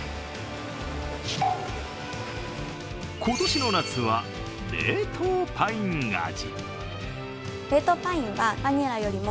今年の夏は冷凍パイン味。